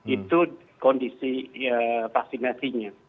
itu kondisi vaksinasi nya